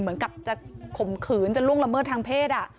เหมือนกับจะข่มขืนจะล่วงละเมิดทางเพศ